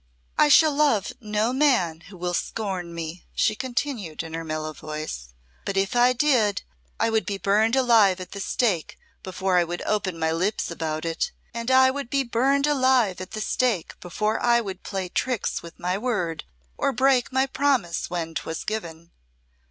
"I shall love no man who will scorn me," she continued in her mellow voice; "but if I did I would be burned alive at the stake before I would open my lips about it. And I would be burned alive at the stake before I would play tricks with my word or break my promise when 'twas given.